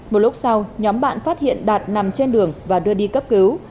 một lúc sau nhóm bạn phát hiện đạt nằm trên đường và đưa đi cấp cứu